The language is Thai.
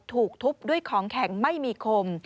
ถูกทุบด้วยของแข็งไม่มีคม